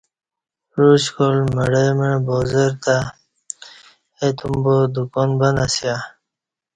پعوچکال مڑہ مع بازارتہ اہ تم با دکان بند اسیہ